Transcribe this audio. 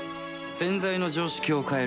洗剤の常識を変える